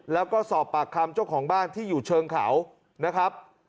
แล้วก็สอบปากคำเจ้าของบ้านที่อยู่เชิงเขานะครับ